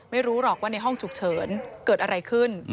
ไม่รู้หรอกว่าในห้องฉุกเฉินเกิดอะไรขึ้น